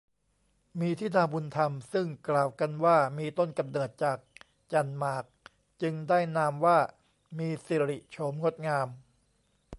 มีธิดาบุญธรรมซึ่งกล่าวกันว่ามีกำเนิดจากจั่นหมาก จึงได้นามว่า มีสิริโฉมงดงาม